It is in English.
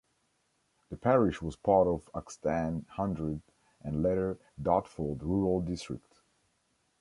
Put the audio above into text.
The parish was part of Axstane Hundred and later Dartford Rural District.